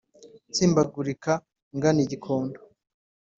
Nsimbagurika ngana i Gikondo